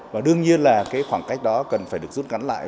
và đương nhiên là cái khoảng cách đó cần phải được rút ngắn lại